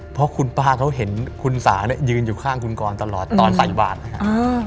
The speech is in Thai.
เพราะคุณป้าเขาเห็นคุณสาเนี่ยยืนอยู่ข้างคุณกรตลอดตอนใส่บาทนะครับ